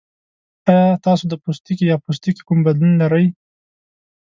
ایا تاسو د پوستکي یا پوستکي کوم بدلون لرئ؟